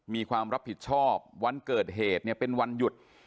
มีความรับผิดชอบวันเกิดเหตุเนี่ยเป็นวันหยุด